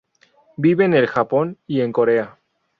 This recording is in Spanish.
Vive en el Japón y en Corea.